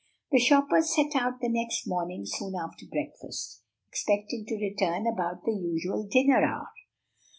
The shoppers set out the next morning soon after breakfast, expecting to return about the usual dinner hour.